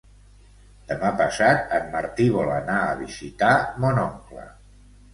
Demà passat en Martí vol anar a visitar mon oncle.